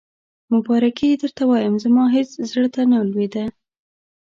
مبارکي یې درته وایم، زما هېڅ زړه ته نه لوېده.